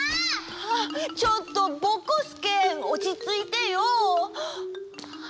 あっちょっとぼこすけおちついてよ！